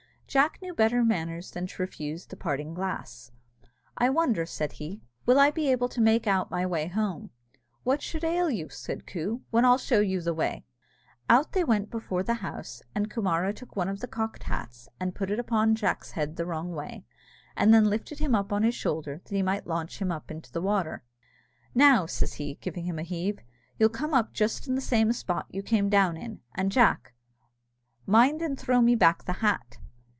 Jack knew better manners than to refuse the parting glass. "I wonder," said he, "will I be able to make out my way home?" "What should ail you," said Coo, "when I'll show you the way?" Out they went before the house, and Coomara took one of the cocked hats, and put it upon Jack's head the wrong way, and then lifted him up on his shoulder that he might launch him up into the water. "Now," says he, giving him a heave, "you'll come up just in the same spot you came down in; and, Jack, mind and throw me back the hat."